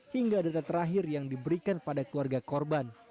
hingga data terakhir yang diberikan pada keluarga korban